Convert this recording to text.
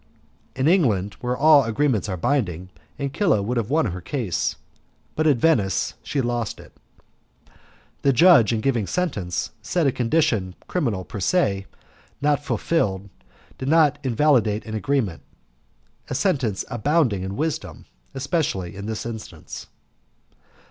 In England, where all agreements are binding, Ancilla would have won her case, but at Venice she lost it. The judge, in giving sentence, said a condition, criminal per se, not fulfilled, did not invalidate an agreement a sentence abounding in wisdom, especially in this instance.